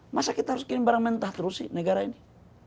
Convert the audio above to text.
masa kita harus kirim barang mentah terus sih negara ini